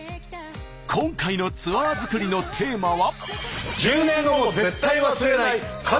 今回のツアー作りのテーマは。